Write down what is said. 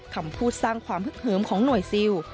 คำพูดสร้างความฮึกเหิมของหน่วยซิล